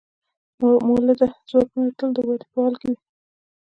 مؤلده ځواکونه تل د ودې په حال کې وي.